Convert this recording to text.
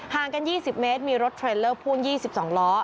กัน๒๐เมตรมีรถเทรลเลอร์พ่วง๒๒ล้อ